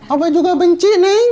emak juga benci neng